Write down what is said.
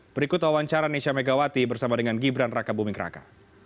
berikut wawancara nisha megawati bersama dengan gibran rakebuming raka